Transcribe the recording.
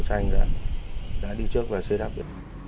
trung tá kiều việt anh đã đi trước và sẽ đáp ứng